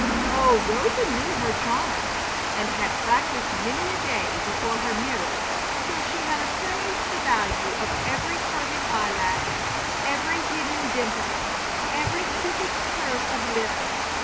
Oh, Rosa knew her charms, and had practised many a day before her mirror till she had appraised the value of every curving eyelash, every hidden dimple, every cupid's curve of lip.